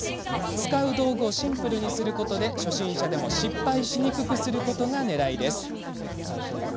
使う道具をシンプルにすることで初心者でも失敗しにくくすることがねらいです。